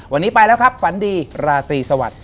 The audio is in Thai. วันนี้ไปแล้วครับฝันดีราตรีสวัสดิ